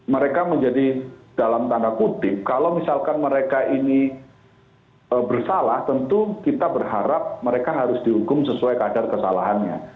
mereka menjadi dalam tanda kutip kalau misalkan mereka ini bersalah tentu kita berharap mereka harus dihukum sesuai kadar kesalahannya